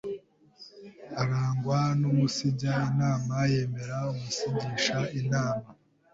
arangwa no umunsijya inama: yemera umunsigisha inama,